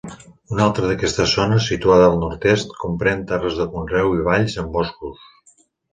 Una altra d'aquestes zones, situada al nord-est, comprèn terres de conreu i valls amb boscos.